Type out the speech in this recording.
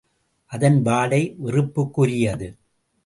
அதன் வாடை வெறுப்புக்குரியது.